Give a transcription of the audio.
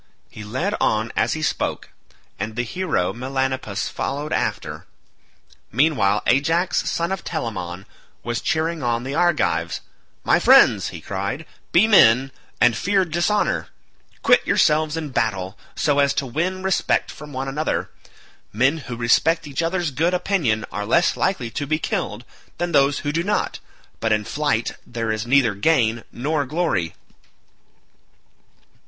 He led on as he spoke, and the hero Melanippus followed after. Meanwhile Ajax son of Telamon was cheering on the Argives. "My friends," he cried, "be men, and fear dishonour; quit yourselves in battle so as to win respect from one another. Men who respect each other's good opinion are less likely to be killed than those who do not, but in flight there is neither gain nor glory."